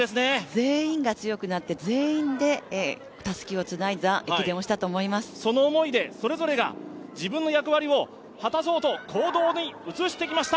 全員が強くなって、全員でたすきをつないだその思いでそれぞれが役割を果たそうと行動に移してきました。